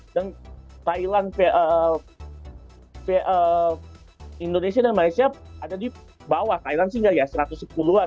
dan indonesia dan malaysia ada di bawah thailand sih nggak ya satu ratus sepuluh an